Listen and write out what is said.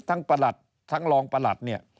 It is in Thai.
ประหลัดทั้งรองประหลัดเนี่ย